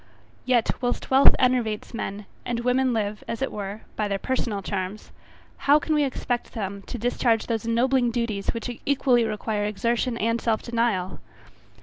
Yet whilst wealth enervates men; and women live, as it were, by their personal charms, how, can we expect them to discharge those ennobling duties which equally require exertion and self denial.